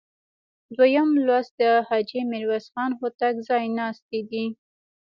دویم لوست د حاجي میرویس خان هوتک ځایناستي دي.